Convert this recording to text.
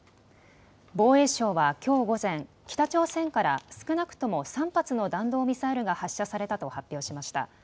防衛省はきょう午前、北朝鮮から少なくとも３発の弾道ミサイルが発射されたと発表しました。